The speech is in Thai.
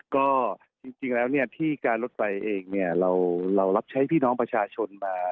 ก็จริงแล้วที่การรถไฟเองเนี่ยเรารับใช้พี่น้องประชาชนมา